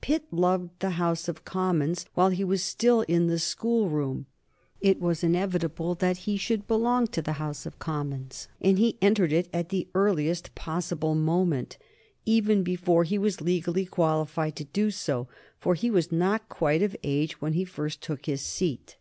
Pitt loved the House of Commons while he was still in the schoolroom; it was inevitable that he should belong to the House of Commons, and he entered it at the earliest possible moment, even before he was legally qualified to do so, for he was not quite of age when he first took his seat.